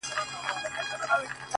پورته کښته سم په زور و زېر باڼه-